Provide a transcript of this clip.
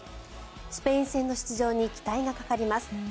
スペイン戦の出場に期待がかかります。